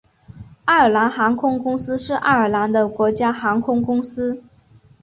爱尔兰航空公司是爱尔兰的国家航空公司。